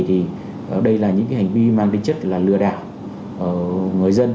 thì đây là những cái hành vi mang tính chất là lừa đảo người dân